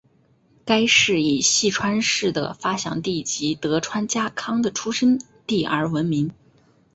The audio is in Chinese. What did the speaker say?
该市以细川氏的发祥地及德川家康的出生地而闻名。